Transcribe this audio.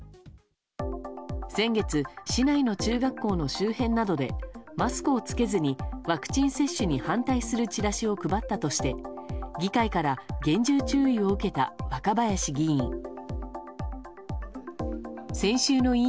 先月、市内の中学校の周辺などでマスクを着けずにワクチン接種に反対するチラシを配ったとして議会から厳重注意を受けた若林議員。